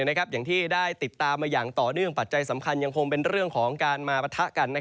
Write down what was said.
อย่างที่ได้ติดตามมาอย่างต่อเนื่องปัจจัยสำคัญยังคงเป็นเรื่องของการมาปะทะกัน